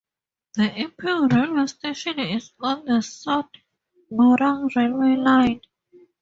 The Epping railway station is on the South Morang railway line.